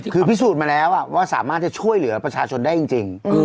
คือพิสูจน์มาแล้วว่าสามารถจะช่วยเหลือประชาชนได้จริง